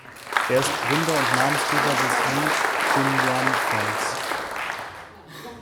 Er ist Gründer und Namensgeber des Li-Jinyuan-Fonds.